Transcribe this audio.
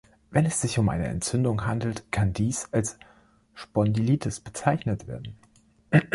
Wenn es sich um eine Entzündung handelt, kann dies als Spondylitis bezeichnet werden.